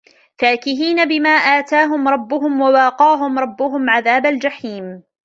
فاكِهينَ بِما آتاهُم رَبُّهُم وَوَقاهُم رَبُّهُم عَذابَ الجَحيمِ